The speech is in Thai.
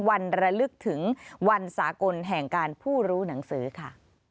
ระลึกถึงวันสากลแห่งการผู้รู้หนังสือค่ะ